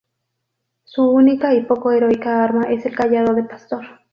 Su única y poco heroica arma es el cayado de pastor.